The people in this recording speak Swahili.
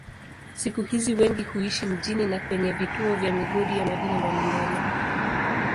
Siku hizi wengi huishi mjini na kwenye vituo vya migodi ya madini mbalimbali.